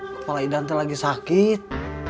kepala idante lagi sakit